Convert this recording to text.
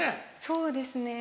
そうですね